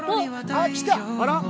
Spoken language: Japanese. あら！